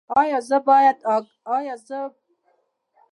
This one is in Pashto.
ایا زه باید هګۍ وخورم؟